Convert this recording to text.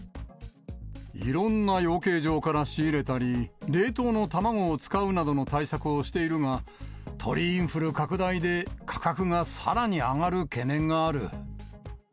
いろんな養鶏場から仕入れたり、冷凍の卵を使うなどの対策をしているが、鳥インフル拡大で価格がさらに上がる懸念がある。